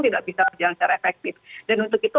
tidak bisa berjalan secara efektif dan untuk itu